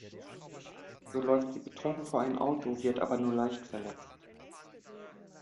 So läuft sie betrunken vor ein Auto, wird aber nur leicht verletzt.